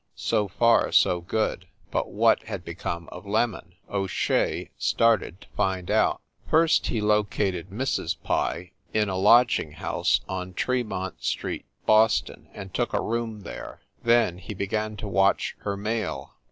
So far, so good ; but what had become of "Lemon?" O Shea started to find out. First he located Mrs. Pye in a lodging house on Tremont street, Boston, and took a room there. Then he began to watch her mail.